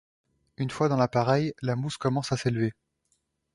Une fois dans l'appareil, la mousse commence à s'élever.